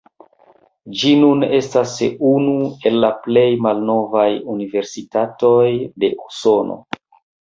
Ĝi nun estas unu el la plej malnovaj universitatoj de Usono.